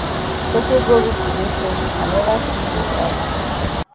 Sotay go reach today so I never see yi with eye.